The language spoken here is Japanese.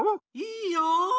いいよ。